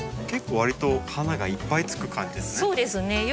結構わりと花がいっぱいつく感じですね。